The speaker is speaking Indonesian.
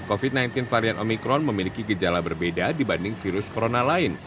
covid sembilan belas varian omikron memiliki gejala berbeda dibanding virus corona lain